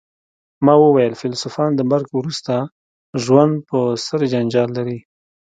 ما وویل فیلسوفان د مرګ وروسته ژوند په سر جنجال لري